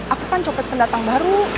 aku kan copet pendatang baru